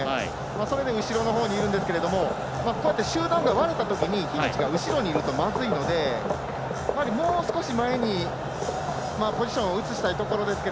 それで後ろのほうにいるんですがこうやって集団が割れたときに樋口が後ろにいるとまずいのでもう少し前にポジション移したいところです。